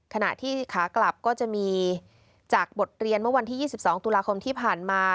ขณะที่ขากลับก็จะมีจากบทเรียนเมื่อวันที่๒๒ตุลาคมที่ผ่านมา